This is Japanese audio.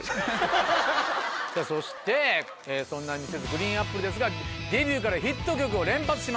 そしてそんなＭｒｓ．ＧＲＥＥＮＡＰＰＬＥですがデビューからヒット曲を連発します。